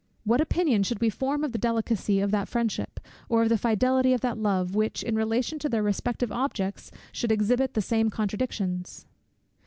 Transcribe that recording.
What opinion should we form of the delicacy of that friendship, or of the fidelity of that love, which, in relation to their respective objects, should exhibit the same contradictions?